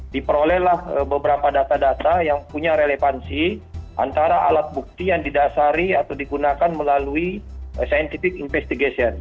diperolehlah beberapa data data yang punya relevansi antara alat bukti yang didasari atau digunakan melalui scientific investigation